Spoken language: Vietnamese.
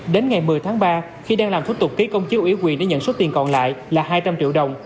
đến ngày một mươi tháng ba khi đang làm thủ tục ký công chiếu ủy quyền để nhận số tiền còn lại là hai trăm linh triệu đồng